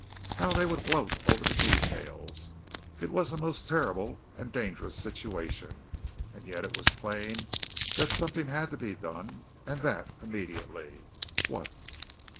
How they would gloat over the details. It was a most terrible and dangerous situation, and yet it was plain that something had to be done and that immediately. What?